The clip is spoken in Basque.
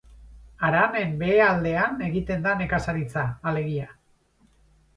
Haranen behealdean egiten da nekazaritza, alegia.